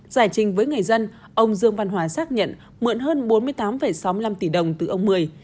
giải trình với người dân ông dương văn hòa xác nhận mượn hơn bốn mươi tám sáu mươi năm tỷ đồng từ ông mười